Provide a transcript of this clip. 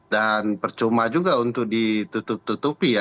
dan percuma juga untuk ditutup tutupi ya